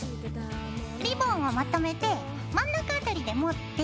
リボンをまとめて真ん中辺りで持って。